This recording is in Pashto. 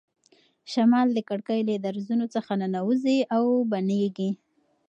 شمال د کړکۍ له درزونو څخه ننوځي او بڼیږي.